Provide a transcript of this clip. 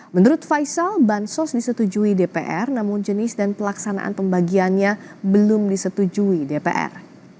menurut faisal bansos disetujui dpr namun jenis dan pelaksanaan pembagiannya belum disetujui dpr